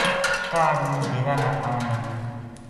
کاہڈ وہ ڈیرا نا آن لگو